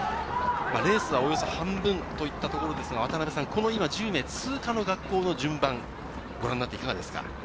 レースはおよそ半分といったところですが、この１０名通過の学校の順番、ご覧になっていかがですか？